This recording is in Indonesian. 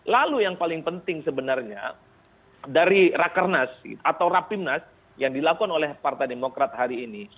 lalu yang paling penting sebenarnya dari rakernas atau rapimnas yang dilakukan oleh partai demokrat hari ini